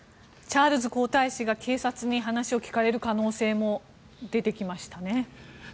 チャールズ皇太子が警察に話を聞かれる可能性も出てきましたね。